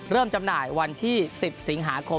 จำหน่ายวันที่๑๐สิงหาคม